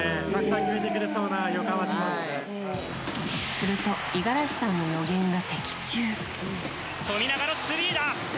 すると五十嵐さんの予言が的中。